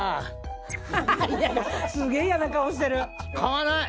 すげえ嫌な顔してる。